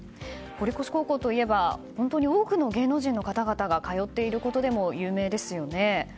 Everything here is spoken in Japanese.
堀越高校といえば本当に多くの芸能人の方々が通っていることでも有名ですよね。